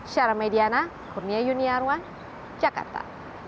syara mediana kurnia yuniarwan jakarta